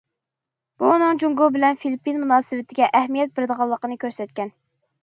بۇ ئۇنىڭ جۇڭگو بىلەن فىلىپپىن مۇناسىۋىتىگە ئەھمىيەت بېرىدىغانلىقىنى كۆرسەتكەن.